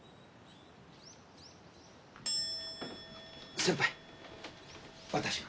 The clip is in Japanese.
先輩私が。